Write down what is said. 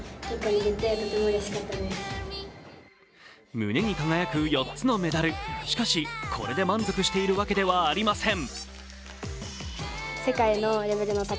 胸に輝く４つのメダル、しかし、これで満足しているわけではありません。